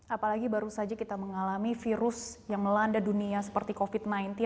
apalagi baru saja kita mengalami virus yang melanda dunia seperti covid sembilan belas